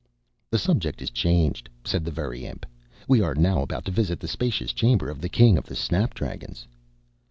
"The subject is changed," said the Very Imp. "We are now about to visit the spacious chamber of the King of the Snap dragons."